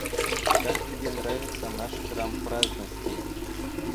Как тебе нравится наш храм праздности?